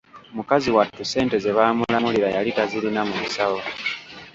Mukazi wattu ssente ze baamulamulira yali tazirina mu nsawo.